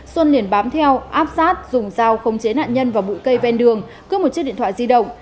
xuân liền bám theo áp sát dùng dao không chế nạn nhân và bụi cây ven đường cướp một chiếc điện thoại di động